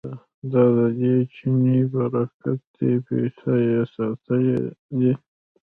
دا ددې چیني برکت دی پسه یې ساتلی دی.